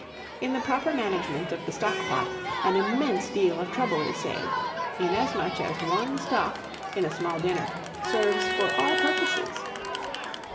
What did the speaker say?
In the proper management of the stock pot an immense deal of trouble is saved, inasmuch as one stock, in a small dinner, serves for all purposes.